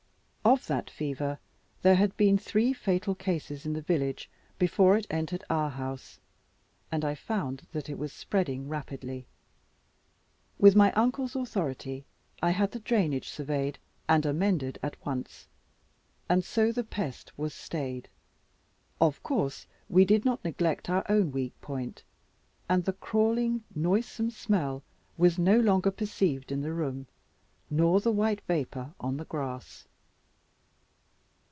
Of that fever there had been three fatal cases in the village, before it entered our house; and I found that it was spreading rapidly. With my uncle's authority, I had the drainage surveyed and amended at once; and so the pest was stayed. Of course we did not neglect our own weak point; and the crawling noisome smell was no longer perceived in the room, nor the white vapour on the grass.